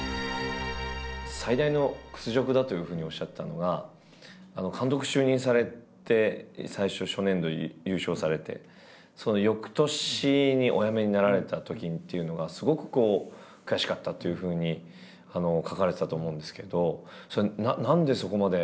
「最大の屈辱だ」というふうにおっしゃったのが監督就任されて最初初年度優勝されてその翌年にお辞めになられたときっていうのがすごく悔しかったというふうに書かれてたと思うんですけどそれは何でそこまで？